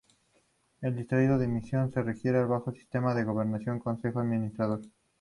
El Distrito de Mission se rige bajo el sistema de gobierno Consejo Administrador.